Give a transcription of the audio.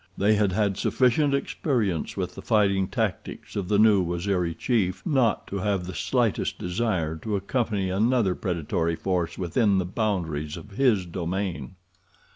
They had had sufficient experience with the fighting tactics of the new Waziri chief not to have the slightest desire to accompany another predatory force within the boundaries of his domain.